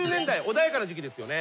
穏やかな時期ですよね。